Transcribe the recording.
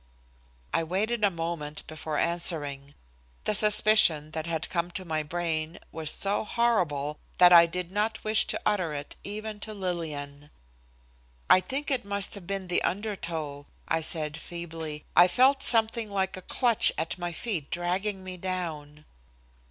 I waited a moment before answering. The suspicion that had come to my brain was so horrible that I did not wish to utter it even to Lillian. "I think it must have been the undertow," I said feebly. "I felt something like a clutch at my feet dragging me down."